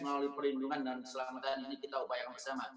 melalui perlindungan dan keselamatan ini kita upayakan bersama